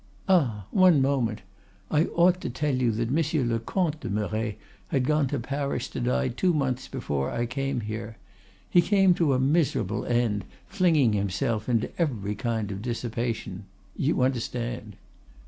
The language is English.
Ah! one moment! I ought to tell you that Monsieur le Comte de Merret had gone to Paris to die two months before I came here. He came to a miserable end, flinging himself into every kind of dissipation. You understand?